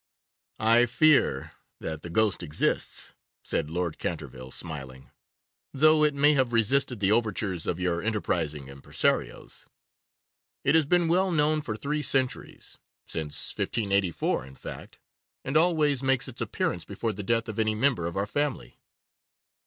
'I fear that the ghost exists,' said Lord Canterville, smiling, 'though it may have resisted the overtures of your enterprising impresarios. It has been well known for three centuries, since 1584 in fact, and always makes its appearance before the death of any member of our family.